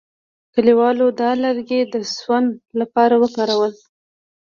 کلیوالو دا لرګي د سون لپاره وکارول.